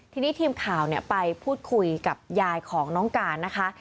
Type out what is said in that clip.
ทีนี้ทีมข่าวไปพูดคุยกับยายของน้องการนะคะ